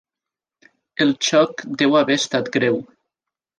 El xoc deu haver estat greu.